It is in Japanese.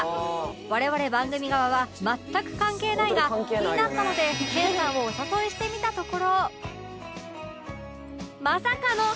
我々番組側は全く関係ないが気になったので研さんをお誘いしてみたところ